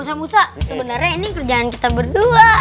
musa musa sebenarnya ini kerjaan kita berdua